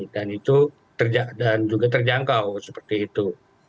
dan itu dan juga terjangkau seperti itu